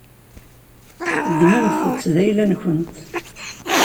Ddmemt-tt d ayla-nkent.